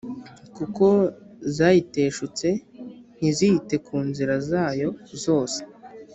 kuko zayiteshutse ntizite ku nzira zayo zose